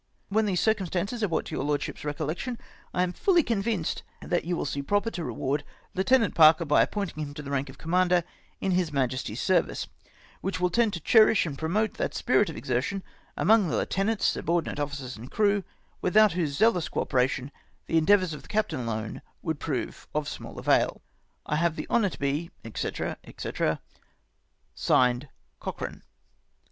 " When these circumstances are brought to your Lordships' recollection, I am fully convinced that you will see proper to reward Lieutenant Parker by appointing him to the rank of commander in His Majesty's service, which will tend to cherish and promote that spirit of exertion among the lieu tenants, subordinate officers, and crew, without whose zealous co operation the endeavours of the captain alone would prove of small avail. " I have the honour to be, &c. &c. (Signed) " Cochkane.